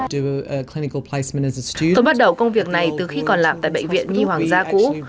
tôi bắt đầu công việc này từ khi còn làm tại bệnh viện nhi hoàng gia cũ